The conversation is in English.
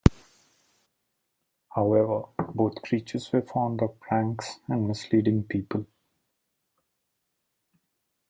However, both creatures were fond of pranks and misleading people.